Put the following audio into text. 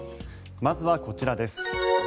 まずはこちらです。